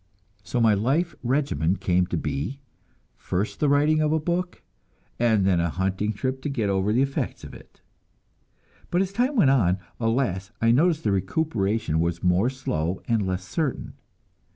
So my life regimen came to be first the writing of a book, and then a hunting trip to get over the effects of it. But as time went on, alas, I noticed that the recuperation was more slow and less certain.